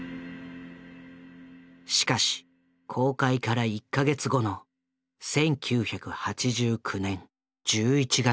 しかし公開から１か月後の１９８９年１１月６日。